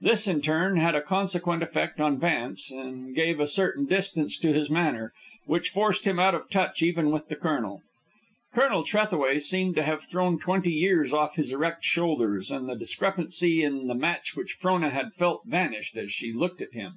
This, in turn, had a consequent effect on Vance, and gave a certain distance to his manner which forced him out of touch even with the colonel. Colonel Trethaway seemed to have thrown twenty years off his erect shoulders, and the discrepancy in the match which Frona had felt vanished as she looked at him.